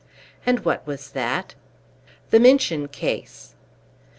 "And what was that?" "The Minchin case!"